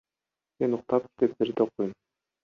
Мен уктап, китептерди окуйм.